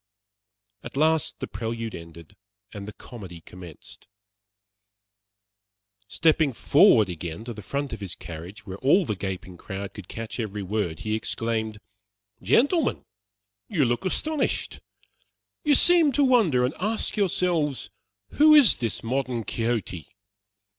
At last the prelude ended, and the comedy commenced. Stepping forward again to the front of his carriage where all the gaping crowd could catch every word, he exclaimed: "Gentlemen, you look astonished! You seem to wonder and ask yourselves who is this modern Quixote.